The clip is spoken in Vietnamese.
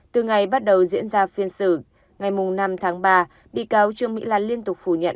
từ ngày bắt đầu diễn ra phiên xử ngày năm tháng ba bị cáo trương mỹ lan liên tục phủ nhận